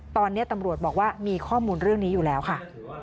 ตอนนี้ตำรวจบอกว่ามีข้อมูลเรื่องนี้อยู่แล้วค่ะ